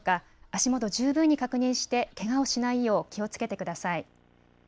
足元、十分に確認してけがをしないよう気をつけてください。